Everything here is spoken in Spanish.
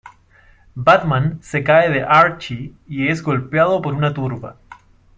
Batman se cae de "Archie" y es golpeado por una turba.